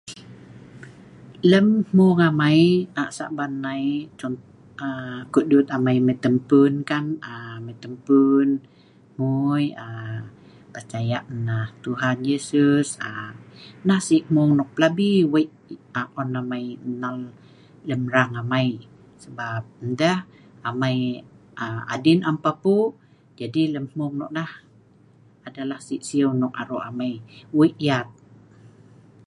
Lem hmueng amai anak saban ai aa.. ko’ duet amai mai tempuen kan, mai tempuen nguui aa…percaya nah Yuhan Yesus aa… nah si’ hmueng plabi wei an amai nnal lem raang amai sebab ndeeh amai aa... adien am papuq jadi lem hmueng nok nah adalah si’ sieu nok aroq amai wei yaat